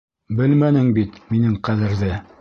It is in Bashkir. Белмәнең бит минең ҡәҙерҙе!